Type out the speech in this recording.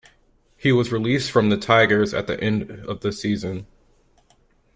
He was released from the Tigers at the end of the season.